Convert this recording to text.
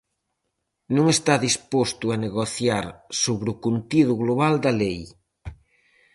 Non está disposto a negociar sobre o contido global da lei.